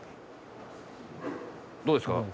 どうですか？